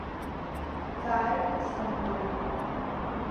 Дҵааит санду.